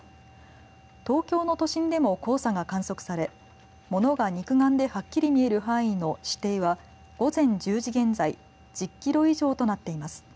東京の都心でも黄砂が観測され物が肉眼ではっきり見える範囲の視程は午前１０時現在１０キロ以上となっています。